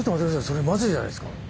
それまずいじゃないですか。